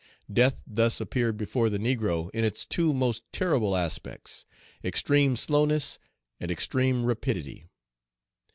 Death thus appeared before the negro in its two most terrible aspects, extreme slowness and extreme rapidity.